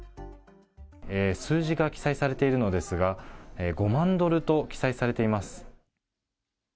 数字が記載されているのですが、５万ドルと記載されています。